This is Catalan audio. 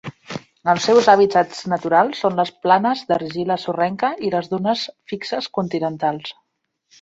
Els seus hàbitats naturals són les planes d'argila sorrenca i les dunes fixes continentals.